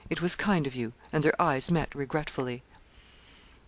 It was kind of you,' and their eyes met regretfully.